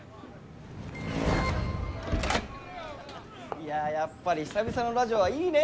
いややっぱり久々のラジオはいいね！